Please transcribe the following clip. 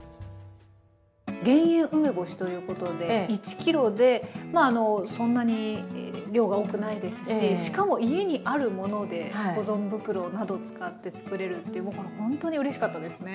減塩梅干しということで１ｋｇでそんなに量が多くないですししかも家にあるもので保存袋など使って作れるっていうこれもうほんとにうれしかったですね。